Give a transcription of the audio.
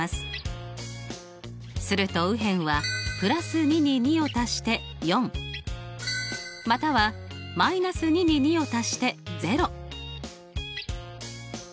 すると右辺は＋２に２を足して４または−２に２を足して０。